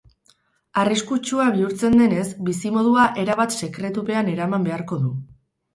Arriskutsua bihurtzen denez, bizimodua erabat sekretupean eraman beharko du.